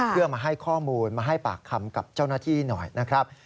เพื่อมาให้ข้อมูลมาให้ปากคำกับเจ้าหน้าที่หน่อยนะครับ